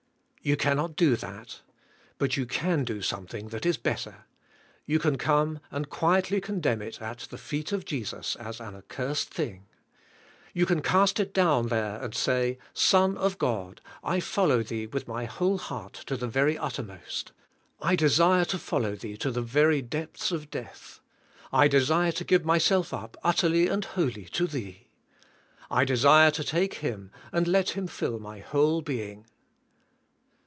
You cannot do that. But you can do something that is better. You can come and quietly condemn it at the feet of Jesus as an accursed thing. You can cast it down there and sa}^ "Son of God, I fol 56 Th:^ SPIRITUAI. I,IFE. low Thee with my whole heart to the very utter most. I desire to follow Thee to the very depths of death. I desire to give myself up utterly and Yv^holly to Thee. I desire to take Him and let Him fill my whole being".